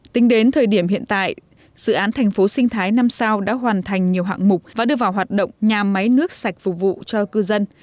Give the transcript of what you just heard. tính đến thời điểm hiện tại dự án thành phố sinh thái năm sao đã hoàn thành nhiều hạng mục và đưa vào hoạt động nhà máy nước sạch phục vụ cho cư dân